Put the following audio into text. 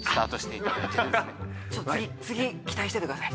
次次期待しててください。